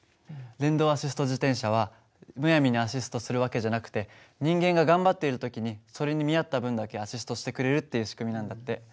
電動アシスト自転車はむやみにアシストする訳じゃなくて人間が頑張っている時にそれに見合った分だけアシストしてくれるっていう仕組みなんだって。